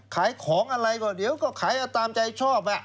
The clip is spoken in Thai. ขายของก็เดี๋ยวตามใจชอบ